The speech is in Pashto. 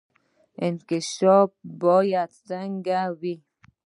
انکشاف باید څنګه وي؟